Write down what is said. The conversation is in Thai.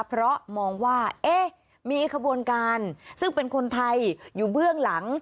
เพราะมองว่าเอ๊ะมีขบวนการซึ่งเป็นคนไทยอยู่เบื้องหลัง